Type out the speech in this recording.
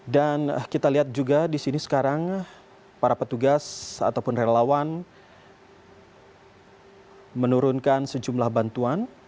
dan kita lihat juga di sini sekarang para petugas ataupun relawan menurunkan sejumlah bantuan